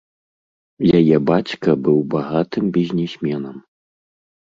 Яе бацька быў багатым бізнесменам.